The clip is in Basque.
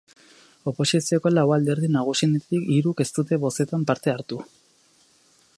Oposizioko lau alderdi nagusietatik hiruk ez dute bozetan parte hartu.